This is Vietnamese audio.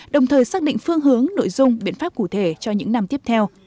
đồng thời xác định phương hướng nội dung biện pháp cụ thể cho những năm tiếp theo